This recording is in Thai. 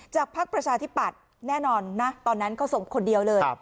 จากพักประชาธิบัตรแน่นอนตอนนั้นเขาทรงคนเดียว